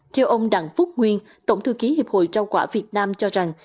theo ông đặng phúc nguyên tổng thư ký hiệp hội trao quả việt nam cho rằng